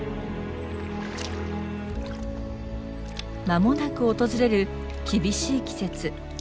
間もなく訪れる厳しい季節。